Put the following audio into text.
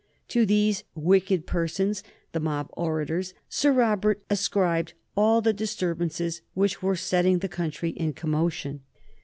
To these wicked persons, the mob orators, Sir Robert ascribed all the disturbances which were setting the country in commotion.